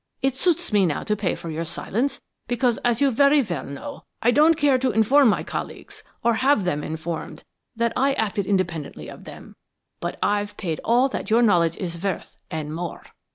It suits me now to pay for your silence because, as you very well know, I don't care to inform my colleagues or have them informed that I acted independently of them; but I've paid all that your knowledge is worth, and more.'